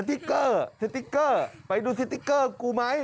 ติ๊กเกอร์สติ๊กเกอร์ไปดูสติ๊กเกอร์กูไหม